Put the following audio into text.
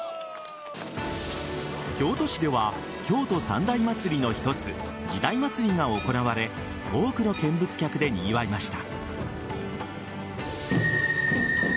京都市では京都三大祭りの一つ時代祭が行われ多くの見物客でにぎわいました。